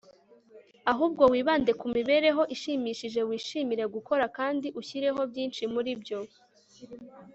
ahubwo, wibande ku mibereho ishimishije wishimira gukora, kandi ushireho byinshi muri byo